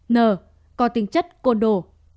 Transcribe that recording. n có tính chất côn đồ